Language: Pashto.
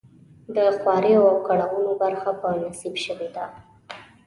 د خواریو او کړاوونو برخه په نصیب شوې ده.